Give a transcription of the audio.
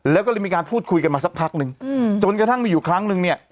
แล้วก็เลยมีการพูดคุยกันมาสักพักนึงจนกระทั่งมีอยู่ครั้งนึงเนี่ย